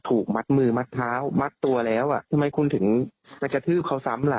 ถูกมัดมือมัดเท้ามัดตัวแล้วอ่ะทำไมคุณถึงมากระทืบเขาซ้ำล่ะ